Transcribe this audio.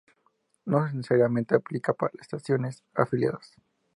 No necesariamente aplica para estaciones afiliadas.